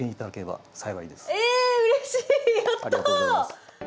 ありがとうございます。